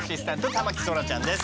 田牧そらちゃんです。